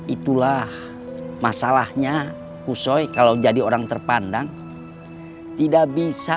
itulah masalahnya kushoy kalau jadi orang terpandang tidak bisa